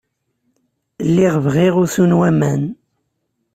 Lliɣ bɣiɣ usu n waman.